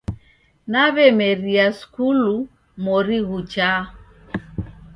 Naw'emeria skulu mori ghuchaa